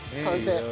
完成。